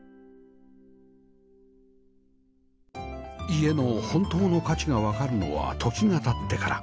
家の本当の価値がわかるのは時が経ってから